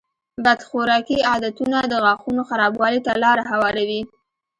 بد خوراکي عادتونه د غاښونو خرابوالي ته لاره هواروي.